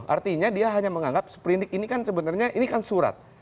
artinya dia hanya menganggap seperindik ini kan sebenarnya ini kan surat